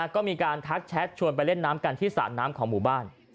ก็มีการทักแชทชวนไปเล่นน้ำกันที่สระน้ำของหมู่บ้าน